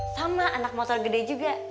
sama anak motor gede juga